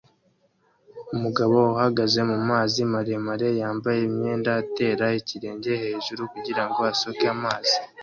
Umugabo uhagaze mumazi maremare yambaye imyenda atera ikirenge hejuru kugirango asuke amazi